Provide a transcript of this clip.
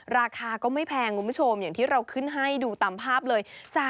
ราคาก็ไม่แพงคุณผู้ชมอย่างที่เราขึ้นให้ดูตามภาพเลย